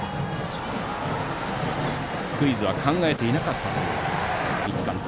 スクイズは考えていなかったという三木監督。